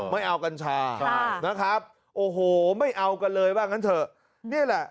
ไม่เอากัญชานะครับโอ้โหไม่เอากันเลยว่างั้นเถอะนี่แหละ